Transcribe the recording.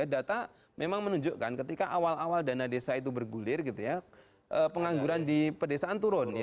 data memang menunjukkan ketika awal awal dana desa itu bergulir gitu ya pengangguran di pedesaan turun